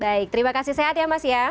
baik terima kasih sehat ya mas ya